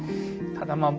ただまあ